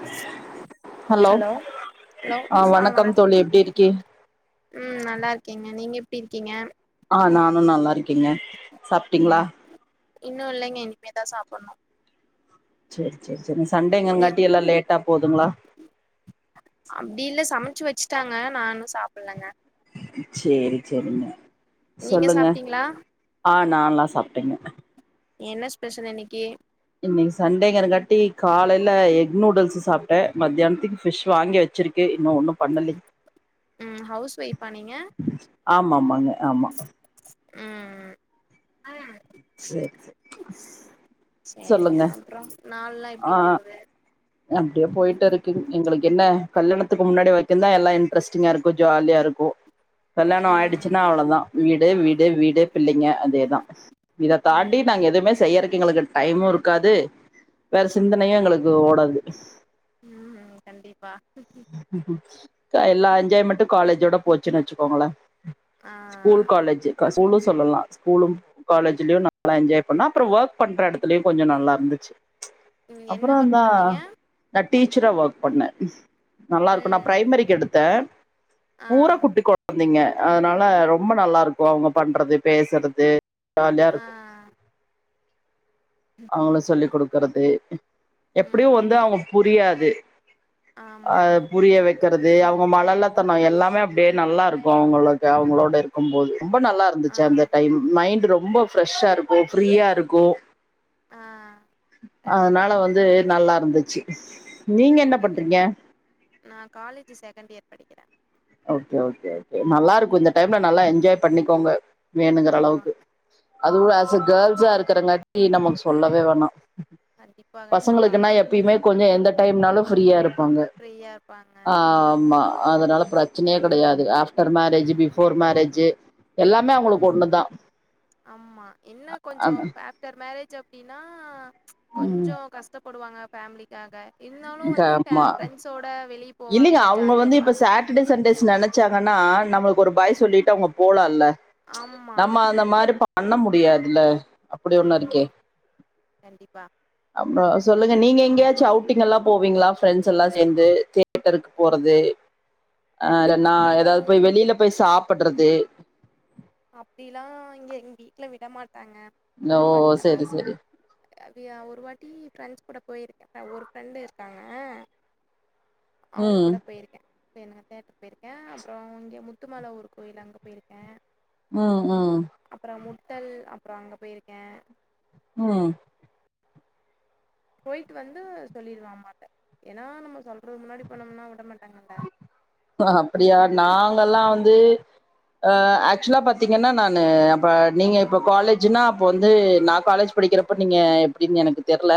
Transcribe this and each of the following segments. [inaudible] Hello hello ஆ வணக்கம் வணக் தோழி எப்டி இருக்கி ம் நல்லா இருக்கேங்க நீங்க எப்டி இருக்கீங்க ஆ நானு நல்லா இருக்கீங்க சாப்ட்டிங்களா ம் இன்னு இல்லைங்க இனிமே தா சாப்டணு சேரி சேரி சேரிங்க நீ சண்டேங்கிறங்காட்டி எல்லா லேட்டா போதுங்ளா அப்டி இல்ல சமைச்சு வெச்சுட்டாங்க நா இன்னு சாப்பிட்லங்க சேரி சேரிங்க நீங்க சொல்லுங்க சாப்ட்டீங்களா ஆ நால்லா நல்லா‌சாப்ட்டேங்க எ என்ன ஸ்பெஷல் இன்னைக்கு இன்னிக்கு சண்டேங்கரகாட்டி காலைல எக் நூடுல்ஸ் சாப்ட்ட மத்தியானத்துக்கு ஃபிஷ் வாங்கி வச் வச்சிருக்கு இன்னு ஒன்னு பண்ணலை ம் ஹவுஸ் ஒய்ஃபா நீங்க ஆமாம்மாங்க ஆமா ம் ஆ சேர் சேர் சரிங்க அப்பற நாள்லா எப்டி ஆ போகுது அப்டியே போயிட்டு இருக்குங்க எங்களுக்கு என்ன கல்யணத்துக்கு முன்னாடி வரைக்குந்தா எல்லா இன்ட்ரெஸ்ட் ங்க இருக்கும் ஜாலியா இருக்கும் கல்யாண ம் ஆயிடுச்சுன்னா அவ்ளவுதா வீடு வீடு வீடு பிள்ளைங்க அதேதா இததாண்டி ம் நாங்க எதுமே செய்யறக்கு எங்களுக்கு டைமும் இருக்காது வேற சிந்தனையு எங்களுக்கு ஓடாது ம் ம் கண்டிப்பா கா எல்லா எஞ்சாய்மெண்ட்டு காலேஜோட போச்சுன் வச்சுக்கோங்களே ஆ கூல் காலேஜுக்கா ஸ்கூலு சொல்லலா ஸ்கூலும் காலேஜ்லயு நல்லா என்ஜாய் பண்ண அப்பற ஒர்க் பண்ற இடத்துலயு கொஞ்ச நல்லா இருந்துச்சு நீங்க என்ன அப்பறந்தா ஒர்க் பண்ணீங்க நா டீச்சரா ஒர்க் பண்ணே நல்லா இருக்கு நா ம் ம் பிரைமரிக்கு எடுத்தே ஆ பூரா குட்டி கொழந்தைங்க அதனால ரொம்ப நல்லா இருக்கு அவ்ங்க பண்றது பேசுறது ஜாலியா ஆ இருக்கு அவங்க ம் சொல்லிக் கொடுக்கறது எப்டிய வந்து அவங்க புரியாது ஆ ஆமா புரிய வெக் க்கிறது அவ்ங்க மழல தணோ எல்லாமே அப்டியே நல்லா இருக்கு அவ்ங்களுக்கு அவ்ங்களோட இருக்கும்போது ரொம்ப நல்லா இருக் ஆ ச்ச அந்த டைம் மைண்ட் ரொம்ப ஃப்ரெஷ்ஷா இருக்கும் ஃப்ரீயா இருக்கும் ஆ கண்டிப்பா அதனால வந்து நல்லா இருந்துச்சு நீங்க என்ன பண்றீங்க நா காலேஜ் செகண்ட் இயர் படிக்கிற ஓகே ஓகே ஓகே நல்லா இருக்கும் இந்த டைம்ல நல்லா என்ஜாய் பண்ணிக்கோங்க வேணுங்கற ஆமா. அளவுக்கு அதுவு ஆஸ் எ கண்டிப்பா. கேர்ள்ஸா இருக்கிறங்காட்டி நமக்கு சொல்லவே வேணா கண்டிப்பா, கண்டிப்பா. பசங்களுக்கு என்ன எப்பயுமே கொஞ்ச எந்த டைம்னாலு ஃபரீயா இருப்பாங்க ஃப்ரீயா இருப்பாங்க. ஆமா அதனால பிரச்சனையே கெடையாது யார் சொன் ஆப்டர் மேரேஜ் ம், பிஃபோர் மேரேஜ் எல்லாமே அவங்களுக்கு ஒண்ணு ம். தா ஆமா இன்னு கொஞ்ச ப ஃப்டர் மேரேஜ் அப்டின்னா கொஞ்ச ம் கஷ்டப்படுவாங்க ஃபேம்லிக்காக இருந்தாலு க- வந்து ஆமா ஃப்ரெண்ட்ஸோட வெளியே இல்லைங்க போவாங்க அவங்க ஜாலியாக வந்து இப்ப இருப்பாங்க சாட்டர்டே சண்டேஸ் நெ ச்சாங்கனா நம்மளுக்கு ஒரு பாய் சொல்லிட்டு அவ்ங்க போலால்ல ஆமா. நம்ம அந்த மாரி பா அண்ண முடியாதுல அப்டி ஒன்னு இருக்கே ம். கண்டிப்பா. அப்ற சொல்லுங்க நீங்க எங்கயாச்சு அவுட் குட்டிங்க எல்லா போவீங்ளா ப்ரெண்ட்ஸ் எல்லா சேந்து தேட்டருக்கு போறது அ இல்ல நா ஏதாவது அப்டிலாம் போய் வெளியில போய் சாப்பிடுறது அப்டிலா இங்க எங்க வீட்டுல விடமாட்டாங்க ஓ ஒரு வாட்ட அபி செரி செரி அ வீயா ஒரு வாட்டி ஃப்ரெண்ட்ஸ் கூட போயிருக்கே ஒரு ஃப்ரெண்டு இருக்காங்க அவங் ம் கூட போயிருக்கே பேன தேட்டரு பேயிருக்கே அப்றோ இங்க முத்துமல ஊர்ரு கோயில் அங்க போயிருக்கே ம் ம் அப்புற முட்டல் அப்புற அங்க போயிருக்கே ம் போயிட்டு வந்து சொல்லிருவன் அம்மாட்ட ஏனா நம்ம சொல்றது முன்னாடி போனம்னா விட மாட்டாங்கல்ல அ அப்படியா நாங்கல்லா வந்து அ ஆக்சுவலா பாத்தீங்கன்னா நானு அப்ப நீங்க இப்ப காலேஜ்ன்னா அப்ப வந்து நா காலேஜ் படிக்கிறப்ப நீங்க எப்டின்னு எனக்கு தெரியல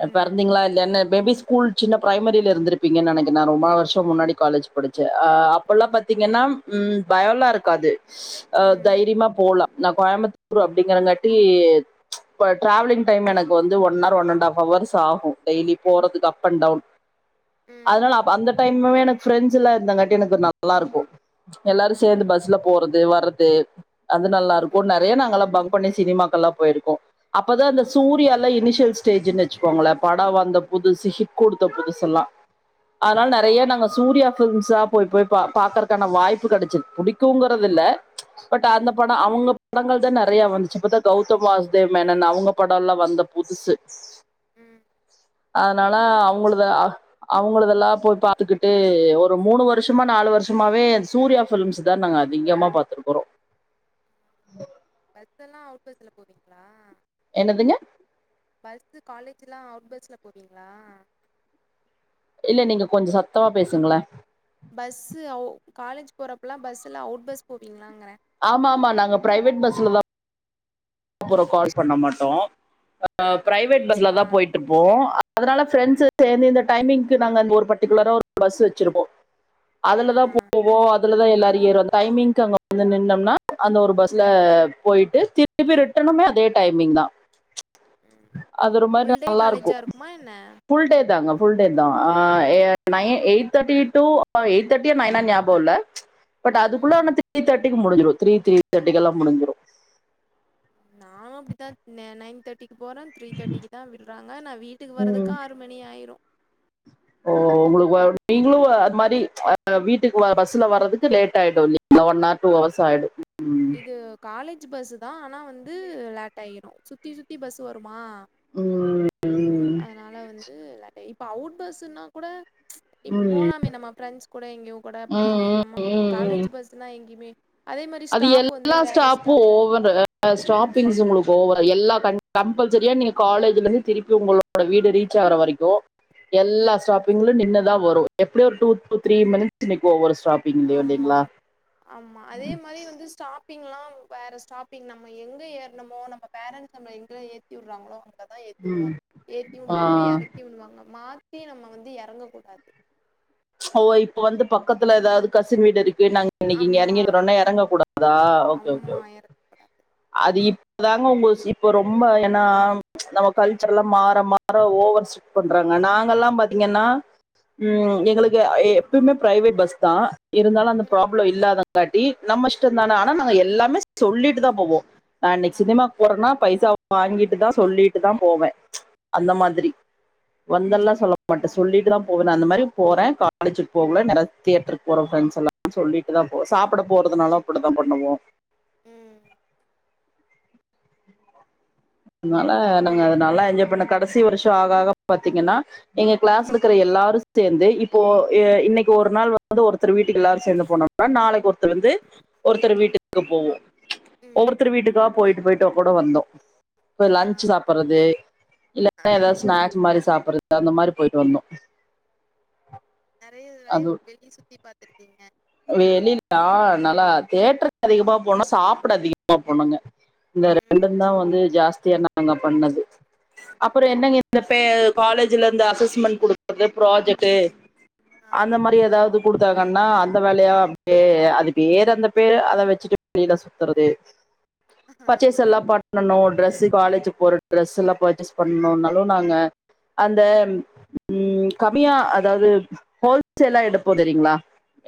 ம் பிறந்தீங்ளா இல்லயான்னு மேபி ஸ்கூல் சின்ன பிரைமரில இருந்திருப்பீங்கன்னு நெனைக்கேன் நா ரொம்பாலு வருஷோ முன்னாடி காலேஜ் படிச்ச அ அப்பல்லா பாத்தீங்கன்னா ம் பயோல்லா இருக்காது அ ம் தைரியமா போலா நா கோயமுத்தூர் அப்டிங்கறங்காட்டி ம்ச் இப்ப டிராவலிங் டைம் எனக்கு வந்து one hour one and half hours ஆகு டெயலி போறதுக்கு அப் அண்ட் டவுன் ம் அதனால அப்ப அந்த டைமுமே எனக்கு பிரண்ட்ஸ் எல்ல இருந்தங்காட்டி எனக்கு நல்லா இருக்கு ஆ எல்லாரு சேர்ந்து பஸ்ல போறது வர்றது அது நல்லா இருக்கு ந கண்டிப்பாக நெறைய நாங்க எல்ல பங்க் பண்ணி சினிமாக்கள்லா போயிருக்கோ அப்பதா அந்த சூர்யல்லா இனிஷியல் ஸ்டேஜ்ன்னு வச்சுக்கோங்களே படோ வந்த புதுசு ஹிட் குடுத்த புதுசுல்லா ஆ அதனால நெறைய ஆ நாங்க சூர்யா ஃபிலிம்ஸ்ஸா போய் போய் பாக்கறக்கான வாய்ப்பு கெடைச்சுது புடிக்குங்கிறது இல்ல பட் அந்த ம் படம் அவங்க படங்கள் தா நெறைய வந்துச்சு இப்பதா கௌதம் வாசுதேவ மேனன் அவங்கப் படம்ல வந்த புதுச்சு ம் அதனால நீங்கள் அவங்களுத உங்களுதெல்லா போய் பாத்துக்கிட்டு ஒரு மூணு வருஷமா நாலு வருஷமாவே சூர்யா பிலிம்ஸ் தா நாங்க அதிகமா பாத்திருக்கிறோ ம் பஸ் எல்லா அவுட் பஸ்ல போவீங்ளா என்னதுங்க ஃபர்ஸ்ட் காலேஜ்ஜெல்லா அவுட் பஸ்ல போவீங்ளா இல்ல நீங்க கொஞ்ச சத்தமா பேசுங்களே பஸ்ஸு ஒ காலேஜ் போறப்பல்லா பஸ்ஸுல அவுட் பஸ் போவீங்களாங்கிறே ஆமா ஆமா நாங்க பிரைவேட் பஸ்ல தா அப்புறோ கால் பண்ண மாட்டோ பிரைவேட் பஸ்ல ஆ தா போயிட்ருப் போ அதனால ஃப்ரெண்ட்ஸ்ஸு சேந்து இந்த டைமிங்க்கு நாங்க அங்க ஒரு பர்டிகுலரா ஒரு பஸ் வச்சிருப்போ ஆ அதுலதா போவோ இதுல தா எல்லோரு ஏறும் டைமிங்கு அங்க வந்து நின்னம்னா அந்த ஒரு பஸ்ல போயிட்டு திர் திருப்பி ரிட்டனுமே அதே டைமிங்தான் ம் அது ஒரு மாரி ஃபுல் டே நல்லா இருக்கு காலேஜா இருக்குமா என்ன ஃபுல் டேதாங்க ஃபுல் டேதான் அ nine eight thirty to eight தேர்ட்டியா நைனா ஞாபகோ இல்ல ம்ச் பட் அதுக்குள்ள ம் ஆன த்ரீ தேர்டிக்கு முடிஞ்சிரு த்ரீ த்ரீ தேர்டிக்கு எல்லா முடிஞ்சிரு நானு அப்டித்தான் நைன் தேர்டிக்கு போறன் த்ரீ தேர்டிக்குதான் விட்றாங்க நா வீட்டுக்கு ம் வராறதுக்கு ஆ ஒரு மணி ஆயிரு ஓ உங்களுக்குவ நீங்களு அது மாரி ம்ச் அ வீட்டுக்குவ பஸ்ல வர்றதுக்கு லேட் ஆயிடு நீ அந்த ஒன் ஹவர் டூ ஹவர்ஸ் ஆயிடு இது காலேஜ் பஸ்ஸு தா ஆனா வந்து லேட் ஆயிடு சுத்தி சுத்தி பஸ்ஸு வருமா ம் ம் அதனால வந்து இப்ப அவுட் பஸ்ன்னா கூட இப்ப போலாமே நம்ம ஃபிரெண்ட்ஸ் கூட எங்கேயு கூட போலா, ம் நம்ம ம் ம் காலேஜ் பஸ்லா எங்கயுமே அது எல்லா ஸ்டாப்பும் ஓவரு எல்லா ஸ்டாப்பிங்ஸ் உங்களுக்கு ஓவரா எல்லா க கம்பள் சரியா நீங்க காலேஜ்ல இருந்து திருப்பி உங்களோட வீடு ரீச் ஆகற வரைக்கு எல்லா ஸ்டாப்பிங்லயு நின்னுதா வரு எப்டி ஒரு டூ டூ த்ரீ மினிட்ஸ் நிக்கு ஒவ்வொரு ஸ்டாப்பிங் ஆமா ஆமா அதே மாரி வந்து ஸ்டாப் பிங்லா வேற ஸ்டாப்பிங் நம்ம எங்க ஏறணுமோ நம்ம பேரன்ட்ஸ் நம்மள எங்க ஏத்தி விட்றாங்களோ அங்க தா ஏத்தி ம் விடுவாங்க ஏத்தி ஆ விடுவாங்க இறக்கியு விடுவாங்க மாத்தி நம்ம வந்து எறங்கக்கூடாது ஓ இப்ப வந்து பக்கத்துல ஏதாவது கசின் வீடு இருக்கு நாங்க இன்னிக்கி இங்க ஆமா எறங்கிக்குறோன்னா எறங்க கூடாதா ஓக்கே ஓக்கே ஆமா ஒக்கே எறக்க கூடாது அது இப் அதாங்க உங்க ஸ் இப்ப ரொம்ப ஏன்னா நம்ம கல்ச்சர் எல்லா மாற மாற ஓவர் பண்றாங்க நாங்கல்லா பாத்திங்கன்னா ம் எங்குளுக் து எப்பயுமே பிரைவேட் பஸ்தா இருந்தாலு அந்த ம் ப்ராப்ளம் இல்லாதங் காட்டி நம்ம இஷ்டோந்தான ஆனா ம் நாங்க எல்லாமே சொல்லிட்டுதா போவோ நா இன்னைக்கி ஆ சினிமா போறனா பைசா வாங்கிட்டுதா சொல்லிட்டுதா போவே, அந்த ஆ மாதிரி வந்தெல்லா சொல்ல மாட்டே சொல்லிட்டுதா போவே, நா அந்த மாதிரி போறே காலேஜ்க்கு போ குள்ள ம் நேர தேட்டருக் ஒரு ஃப்ரெண்ட்ஸ் எல்லா சொல்லிட்டுதா போவோ சாப்பிட போறதுனாலு அப்படிதா பண்ணுவோ ம் அதனால நாங்க நல்ல என்ஜாய் பண்ண, கடைசி வருஷ ஆக ஆக பாத்தீங்கனா எங்க கிளாஸ் இருக்கிற எல்லாரு சேந்து இப்போ இ இன்னைக்கி ஒரு நாள் வந்து ஒருத்தர் வீட்டுக்கு எல்லாரு சேந்து போனா னா நாளைக்கு ஒருத்தர் வந்து ஒருத்தர் வீட்டுக்கு போவோ ம் ஒவ்வொருத்தர் வீட்டுக்கா போயிட்டு போயிட்டு கூட வந்தோ போய் ஆ லன்ச் சாப்பட்றது இல்லன்னா ஆ ஏதாவது ஸ்நாக்ஸ் மாரி சாப்பட்றது அந்த மாரி போயிட்டு வந்தோ நெறைய நெறைய வெளிய சுத்தி பாத்துருக்கீங்க வெளில ஆ, நல்லா தேட்டருக்கு அதிகமா போனோ, சாப்பட அதிகமா போனோங்க இந்த ம் ரெண்டுந்தா வந்து ஜாஸ்தியா நாங்க பண்ணது அப்பறோ என்னங்க இந்த பே காலேஜ்ல இந்த அசஸ்மெண்ட் குடுக்குறது ப்ராஜெக்ட் ஆ அந்த மாரி ஏதாவது குடுத்தாங்கனா அந் அந்த வேலையா அப்டியே அது வேற அந்த பேரு அதை வச்சிட்டு வெளியில சுத்தறது ஆமா பர்ச்சேஸ் எல்லா பண் பண்ணனு டிரெஸ் காலேஜ்க்கு போற டிரெஸ் எல்லா பர்ச்சேஸ் பண்ணனுன்னாலு நாங்க அந்த, ம், கம்மியா அதாவது ஹோல்சேலா எடுப்போ தெரியுங்ளா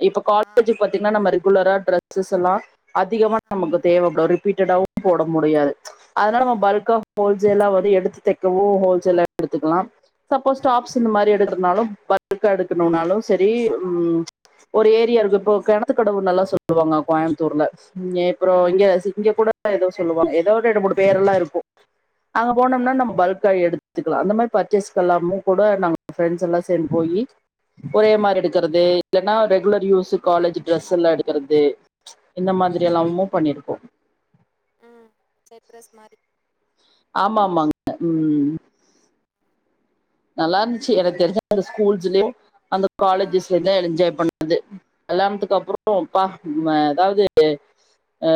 இப்ப காலேஜ் ஆமா பாத்தீங்கனா நம்ம ரெகுலரா ட்ரெஸ்ஸலா அதிகமா நமக்கு தேவப்டும் ரிப்பீட்டடாவு போட முடியாது அதனால நம்ம பல்க்கா ஹோல் ஜ் எல்லா வரு எடுத்து தைக்கவு ஹோல்சேலா எடுத்துக்கலா சப்போஸ் டாப்ஸ் இந்த மாரி எடுக்கிறதுனாலு பல்க்கா எடுக்கணுனாலு சேரி, ம், ஒரு ஏரியா இருக்கு இப்போ கிணத்து கடவுன்னுலா சொல்லுவாங்க கோயம்புத்தூர்ல இங்க அப்பறோ இங்க இங்க கூட ஏதோ சொல்லுவோ ஏதோ ரெண்டு மூணு பேர் எல்லா இருக்கு அங்க ஆ போனோம்னா ஆ நம்ம பல்க்கா எடுத் த்துக்கலா அந்த மாரி பர்ச்சேஸ்க்கு எல்லாமு கூட நாங்க ஃப்ரெண்ட்ஸ் எல்லா சேந்து போயி ஒரே ம் மாரி எடுக்கறது இல்லன்னா ரெகுலர் யூஸ் காலேஜ் டிரஸ் எல்லா எடுக்கறது இந்த ம் மாரி எல்லாமும் பண்ணிரு ம் செட் டிரஸ் மாரி ஆமா ஆமாங்க, ம் நல்லா இருந்துச்சி எனக்கு தெரிஞ்ச அந்த ஸ்கூல்ஸ்லயு அந்த ஆ காலேஜஸ்ல ல்லா என்ஜாய் பண்ணது கல்யாணத்துக்கு அப்றோ அப்பா இவுங்க எதாவது அ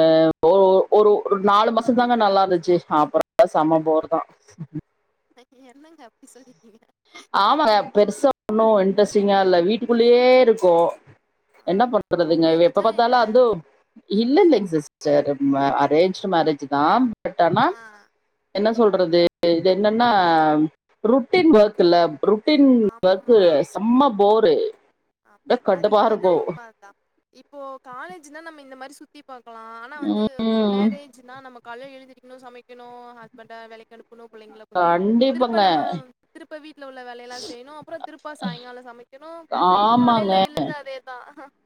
ஒரு ஒரு ஒரு நாலு மாசம்தாங்க நல்லா இருந்துச்சி அப்பற எல்லா செம போர்தா சேரி என்னங்க அப்படி சொல்லிட்டீங்க ஆமா பெருசா ஒன்னு இன்ட்ரெஸ்டிங்கா இல்ல வீட்டுக்குள்ளேயே இருக்கு ஆ என்ன லவ் பண்றதுங்க இவ எப்ப மேரேஜா பாத்தாலு என்ன அதூ இல்லல்லைங்க சிஸ்டர் ம அரேஞ்ச் மேரேஜ் தா பட் ஆனா ஆ என்ன சொல்றது இது என்னன்னா ருட்டீன் ஒர்க்ல ரொட்டீன் ஒர்க்கு ஆமா செம்ம போரு ஆமா அது கடுப்பா ஒர்ணா இருக்கும் உண்மதா இப்போ காலேஜ்னா நம்ம இந்த மாரி சுத் சுத்தி பாக்கலா ஆனா வந்து உம் மேரேஜ்னா நம்ம காலைல எழுந்திருக்கணு சமைக்கணு ஹஸ்பண்ட வேலைக்கு அனுப் வ்ளோ பிள்ளைங்கள பெக்கணு திருப்ப கண்டிப்பாங்க நம்ம திருப்ப வீட்ல உள்ள வேலையெல்லா செய்யணு அப்புறோ திருப்ப சாயங்காலோ சமைக்கணு திருப்ப ஆமாங்க காலைல விழுந்து அதேதா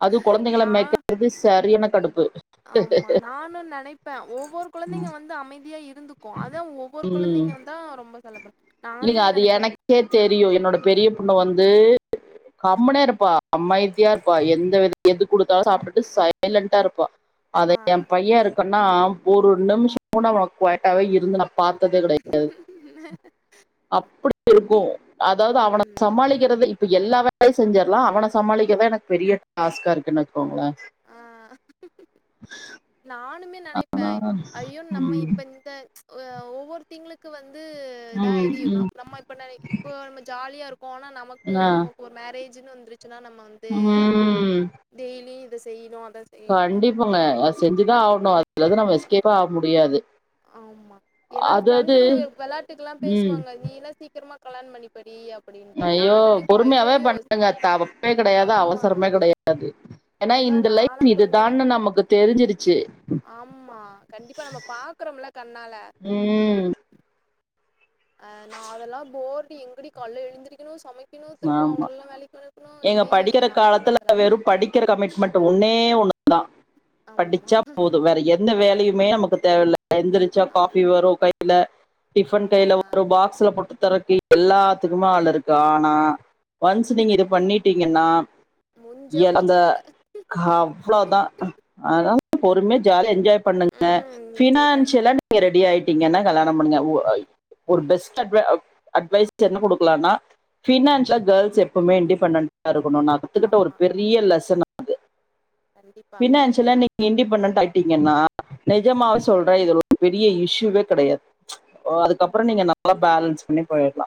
அது கொழந்தைங்கள நா மேக்றது சரியான கடுப்பு ஆமா நானு நெனைப்பே ஒவ்வொரு கொழந்தைங்க வந்து அமைதியா இருந்து கோ அதா ஒவ்வொரு உம் கொழந்தைங்களு தா ரொம்ப செலபர இல்லைங்க அது எனக்கே தெரியு என்னோட பெரிய பொண்ணு வந்து கம்முனே இருப்பா அமைதியா இருப்பா எந்த வித எது குடுத்தாலு சாப்ட்டுட்டு சைலண்டா இருப்பா ஆ அதே என் பைய இருக்குன்னா ஒரு நிமிஷம் கூட அவ குயிட்டாவே இருந்து நா பாத்ததே கெடயாது [unintelligible] அப்புடி இருக்கு அதாவது அவனை ம் சமாளிக்கிறதே இப்ப எல்லா வேலையு செஞ்சிர்லா அவன சமாளிக்கவே எனக்கு பெரிய டாஸ்கா இருக்குன்னு வச்சக்கோங்களே ஆ நானுமே நெனைப்பே ஐயோ நம்ம ம் இப்ப இந்த அ ஒவ்வொருதிங்களுக்கு வந்து எதா ஐ ம் டி ம் இருக்கு நம்ம இப்ப ந இப்போ நம்ம ஜாலியா இருக்கோ ஆனா நமக்கு ஆ நமக்கு ஒரு மேரேஜ்ன்னு வந்துருச்சுன்னா நம்ம வந்து ம் டெய்லியு இத செய்யணு அத செய்யணு கண்டிப்பாங்க அது செஞ்சுதா ஆவணு அதுலந்து நம்ம எஸ்கேப்பே ஆவ் முடியாது ஆமா என்னோட அதாவது ஃப்ரெண்டு விளாட்டுக்குல்லா ம் பேசுவாங்க நீ எல்லா சீக்கிரமா கல்யாணம் பண்ணி ஐயோ பொறுமையாவே ஐயையோ பண்ணுங்க தப்பே கெடையாது ஆமா அவசரமே கெடையாது ஏனா அதா இந்த நாலா லைஃப் பொறுமையாதா இதுதானு பண்ணுவே நமக்கு தெரிஞ்சிருச்சு ஆமா கண்டிப்பா நம்ம பாக்குறோம்ல கண்ணால ம் அ நா அதெல்லா போர்டு எங்கடி கால்ல எழுந்திருக்கனு சமை கிணு திருப்ப ஆமா அவங்கெல்லா வேலைக்கு அனுப்பனு ஐயையோ நமக்குள்ளா அதெல்லா வேணா கிி கமிட்மெண்ட் ஒன்னே ஒன்னு தா ஆமா படிச்சா போது வேற எது எந்த வேலையுமே நமக்கு தேவையில்ல எந்திரிச்சா காபி வரும் கையில டிஃபன் கைல ஆமா வரு பாக் ஸ்ல போட்டு தெரட்டி எல்லாத்துக்கும ஆள் இருக்கு ஆனா ஒன்ஸ் நீங்க இது பண்ணிட்டீங்கன்னா முஞ்சே எ அந்த போச்சு கத அவ்ளோதா அதா பொறுமையா ஜாலியா என்ஜாய் பண்ணுங்க ம் என்ஜாய் பண்ணிட்டு பினான்சியலா நீங்க ரெடி ஆயிட்டீங்கன்னா கல்யாணம் பண்ணுங்க ஒ அ ஒரு பெஸ்ட் அட் அ அட்வைஸ்ட் என்ன குடுக்கலான்னா பினான் ல கேர்ள்ஸ் எப்பவுமே இண்டிபெண்டண்டா இருக்கணு நா கத்துக்கிட்ட ஒரு ஆமா பெரிய லெசன் கண்டிப்பா ஃபினான்ச் சில நீங்க இண்டிபெண்டட் ஆயிட்டீங்கன்னா நெஜமாவே சொல்றே இது ஒரு பெரிய இஷ்யூவே கெடையாது ஓ கண்டிப்பா அதுக்கப்புறோ நீங்க நல்லா பேலன்ஸ் பண்ணி போயிட்லா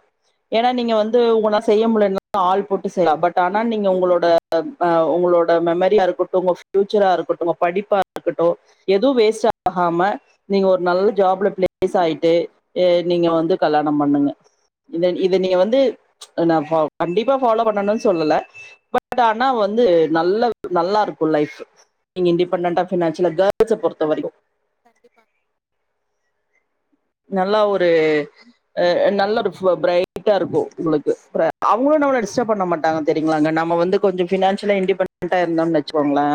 ஏனா ம் நீங்க வந்து உங்க நா செய்ய முட்லனா ஆள் போட்டு செய்லா பட் ஆனா நீங்க உங்களோட அ உங்களோட மெமரியா இருக்கட்டு உங்க ஃப்யூச்சரா இருக்கட்டு உங்க படிப்பா இருக்கட்டு எதுவு வேஸ்ட் ஆகாம நீங்க ஒரு நல்ல ஜாப்ல பிளேஸ் ஆயிட்டு ஏ நீங்க ம் வந்து கல்யாணம் பண்ணுங்க இத இத நீங்க கண்டிப்பா வந்து நா ஃபா கண்டிப்பா ஃபாலோ பண்ணணுன் சொல்லல பட் ஆனா வந்து நல்ல ஒரு நல்லா இருக்கு லைஃபு நீங்க கண்டிப்பா இண்டிபெண்டண்டா ஃபினான்சியலா கேர்ள்ஸப் பொறுத்த வரையு கண்டிப்பாங் நல்லா ஒரு அ அ நல்ல ஒரு ஃப்யு பிரைட்டா இருக்கு உங்களுக்கு ப்ர அவுங்களு நம்மள டிஸ்ட்டர்ப் பண்ண மாட்டாங்க தெரியுங்களாங்க நம்ம வந்து கொஞ்சொம் ஃபினான்சியலா இன்டிபெண்டன்டா இருந்தோம்னு வச்சுக்கோங்களே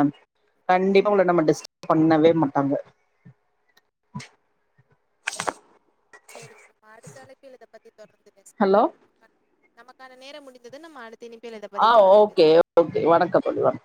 கண்டிப்பா உங்கள நம்ம டிஸ்டர்ப் பண்ணவே மாட்டாங்க சேரிங்க நம்ம அடுத்த அழைப்புல இத பத்தி தொடர்ந்து பேஸ் ஹலோ நமக்கான நேரம் முடிந்தது நம்ம அடுத் தினிப்பேலதம் ஆ ஓகே ஓகே வணக்கோ தோழி வண